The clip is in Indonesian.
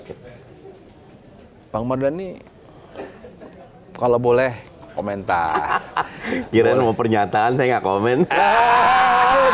hai pangmar dany hai kalau boleh komentar jiran mempernyataan saya ngomong